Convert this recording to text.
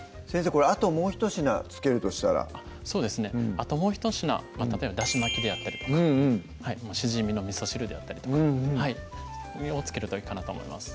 これあともうひと品付けるとしたらそうですねあともうひと品例えば出汁巻きであったりとかしじみのみそ汁であったりとかうんうんを付けるといいかなと思います